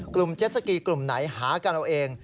กลุ่มเจ็ดสกีกลุ่มไหนหากันเอาเอง